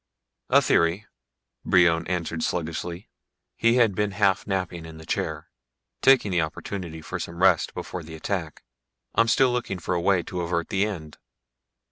"A theory," Brion answered sluggishly. He had been half napping in the chair, taking the opportunity for some rest before the attack. "I'm still looking for a way to avert the end."